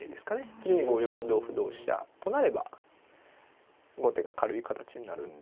次に５四歩同歩同飛車となれば後手が軽い形になるんで。